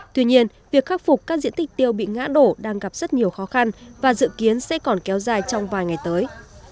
tuy nhiên việc khắc phục các diện tích tiêu bị ngã đổ đang gặp rất nhiều khó khăn và dự kiến sẽ còn kéo dài trong vài ngày tới